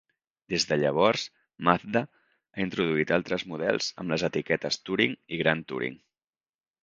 Des de llavors, Mazda ha introduït altres models amb les etiquetes Touring i Grand Touring.